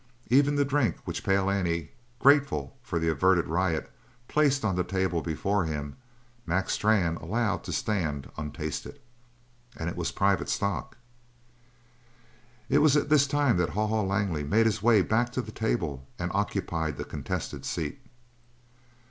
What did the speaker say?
Even the drink which Pale Annie, grateful for the averted riot, placed on the table before him, Mac Strann allowed to stand untasted. And it was private stock! It was at this time that Haw Haw Langley made his way back to the table and occupied the contested seat.